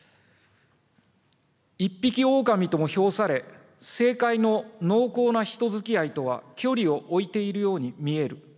一匹狼とも評され、政界の濃厚な人づきあいとは距離を置いているように見える。